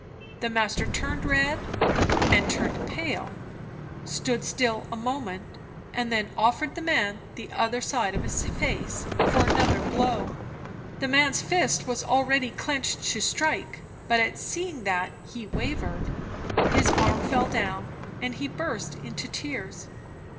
The master turned red, and turned pale; stood still a moment, and then offered the man the other side of his face for another blow. The man's fist was already clenched to strike, but at seeing that, he wavered, his arm fell down, and he burst into tears.